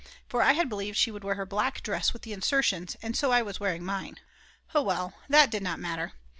For I had believed she would wear her black dress with the insertions, and so I was wearing mine. Oh well, that did not matter.